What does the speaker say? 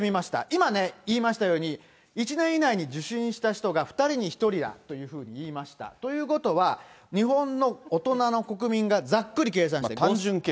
今ね、言いましたように、１年以内に受診した人が２人に１人だということを言いました、ということは、日本の大人の国民がざっくり計算して。